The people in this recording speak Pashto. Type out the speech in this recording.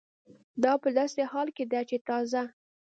دا په داسې حال کې ده چې تازه